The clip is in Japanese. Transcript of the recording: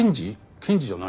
検事じゃない。